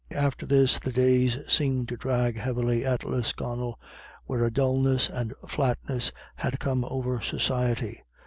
After this the days seemed to drag heavily at Lisconnel, where a dulness and flatness had come over society.